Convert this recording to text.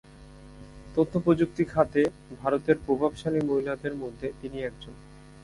তথ্য প্রযুক্তি খাতে ভারতের প্রভাবশালী মহিলাদের মধ্যে তিনি একজন।